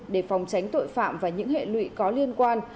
để phòng tránh tội phạm và những hệ lụy có liên quan